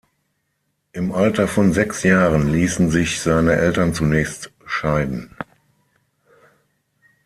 Im Alter von sechs Jahren ließen sich seine Eltern zunächst scheiden.